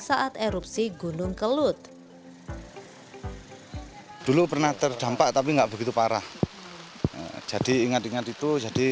saat erupsi gunung kelut dulu pernah terdampak tapi enggak begitu parah jadi ingat ingat itu jadi